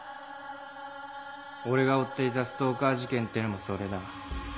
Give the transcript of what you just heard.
俺が追っていたストーカー事件ってのもそれだ。